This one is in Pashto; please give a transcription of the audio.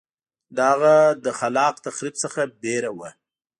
دا هغه له خلاق تخریب څخه وېره وه